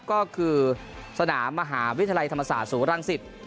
ก็คือสนามมหาวิทยาลัยธรรมศาสตร์ศูนย์รังสิต